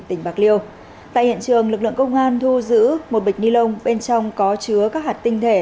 tỉnh bạc liêu tại hiện trường lực lượng công an thu giữ một bịch ni lông bên trong có chứa các hạt tinh thể